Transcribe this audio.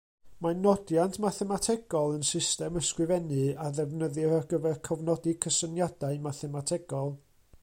Mae nodiant mathemategol yn system ysgrifennu a ddefnyddir ar gyfer cofnodi cysyniadau mathemategol.